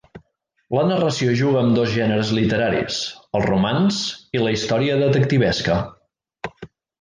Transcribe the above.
La narració juga amb dos gèneres literaris: el romanç i la història detectivesca.